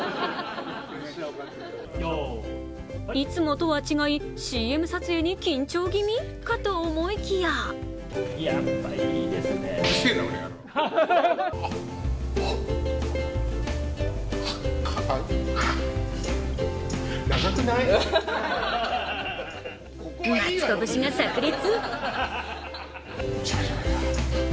いつもとは違い、ＣＭ撮影に緊張気味かと思いきやマツコ節がさく裂。